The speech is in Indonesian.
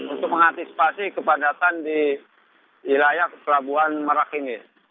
untuk mengantisipasi kepadatan di wilayah pelabuhan merak ini